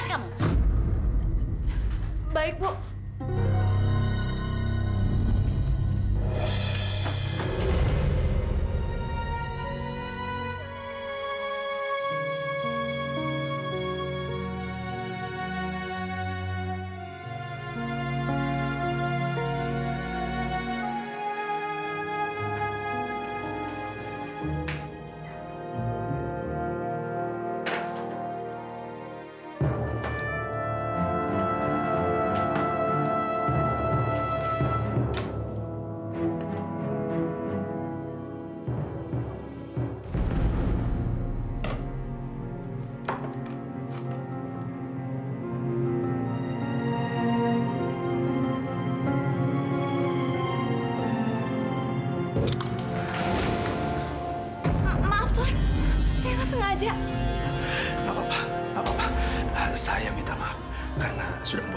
sampai jumpa di video selanjutnya